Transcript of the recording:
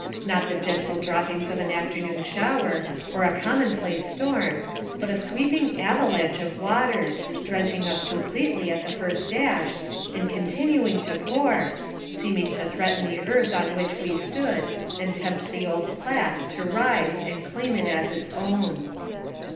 Not the gentle droppings of an afternoon shower, nor a commonplace storm, but a sweeping avalanche of water, drenching us completely at the first dash, and continuing to pour, seeming to threaten the earth on which we stood, and tempt the old Platte to rise and claim it as its own.